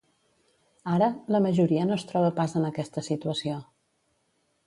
Ara, la majoria no es troba pas en aquesta situació.